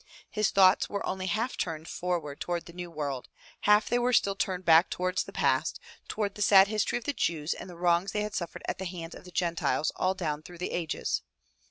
His thoughts were only half turned forward toward the new world; half they were still turned back towards the past, toward the sad history of the Jews and the wrongs they had suffered at the hands of the Gentiles all down through the ages.